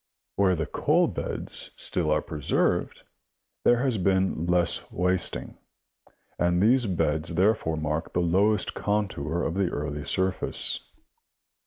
Where the coal beds still are preserved, there has been least wasting, and these beds therefore mark the lowest contour of the early surface.